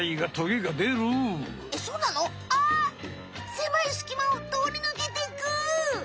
せまいすきまをとおりぬけてく！